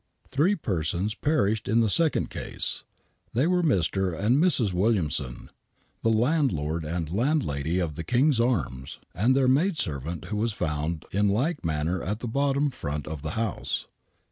Three persons perished in the second case. They were Mr. and Mrs. Williamson, the landlord and landlady of the King's Arms, and their maid servant, who was found in like manner at the bottom front of the house.